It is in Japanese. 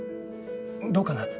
どうかな？